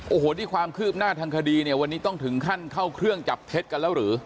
โอ้โหนี่ความคืบหน้าทางคดีเนี่ยวันนี้ต้องถึงขั้นเข้าเครื่องจับเท็จกันแล้วหรือ